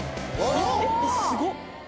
すごっ！